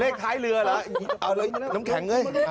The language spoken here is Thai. ท้ายเรือเหรอเอาเลยน้ำแข็งเอ้ย